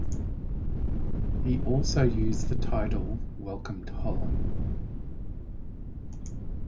He also used the title "Welcome to Holland".